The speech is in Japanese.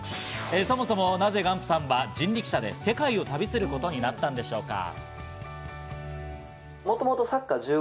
そもそもなぜガンプさんは人力車で世界を旅することになったんでしょうか？